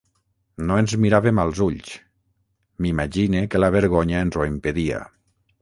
No ens miràvem als ulls; m'imagine que la vergonya ens ho impedia.